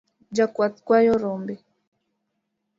Jakwath kwayo rombe